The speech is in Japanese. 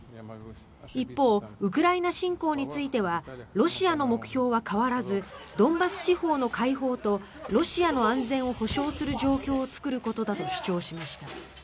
一方、ウクライナ侵攻についてはロシアの目標は変わらずドンバス地方の解放とロシアの安全を保障する状況を作ることだと主張しました。